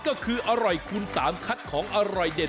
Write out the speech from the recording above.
ก็คืออร่อยคูณ๓คัดของอร่อยเด็ด